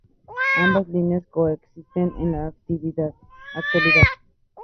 Ambas líneas coexisten en la actualidad.